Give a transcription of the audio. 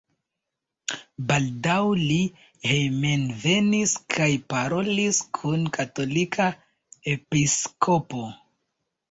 Baldaŭ li hejmenvenis kaj parolis kun katolika episkopo.